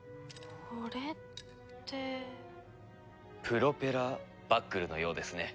プロペラバックルのようですね。